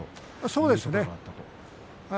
そうですね。